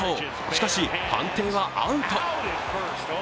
しかし、判定はアウト。